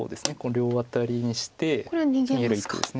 両アタリにして逃げる一手です。